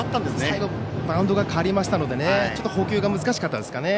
最後、バウンドが変わりましたので捕球が難しかったんですかね。